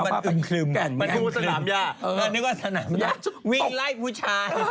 ประมาณอิงคลึมมันถูกสนามเนี่ยะนึกว่าสนามเนี่ยะวินไล่ผู้ชาย